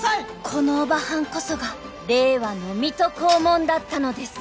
［このオバハンこそが令和の水戸黄門だったのです］